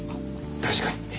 確かに。